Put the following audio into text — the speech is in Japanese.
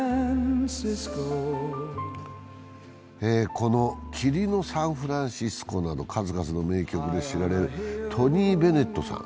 この「霧のサンフランシスコ」など数々の名曲で知られるトニー・ベネットさん